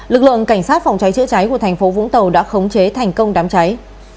lực lượng cảnh sát phòng cháy chữa cháy của thành phố vũng tàu đã khống chế thành công đám cháy